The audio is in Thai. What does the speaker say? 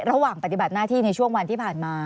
ระหว่างปฏิบัติหน้าที่ในช่วงวันที่ผ่านมา